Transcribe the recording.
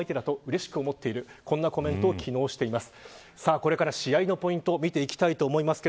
これから試合のポイントを見ていきたいと思います。